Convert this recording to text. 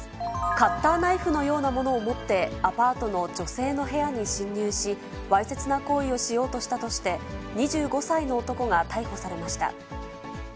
カッターナイフのようなものを持って、アパートの女性の部屋に侵入し、わいせつな行為をしようとしたとして、２５歳の男が逮捕されました。